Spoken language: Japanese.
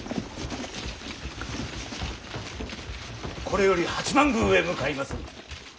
これより八幡宮へ向かいます。